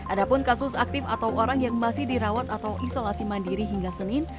ada pun kasus aktif atau orang yang masih dirawat atau isolasi mandiri hingga senin